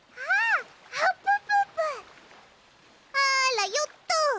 あらよっと！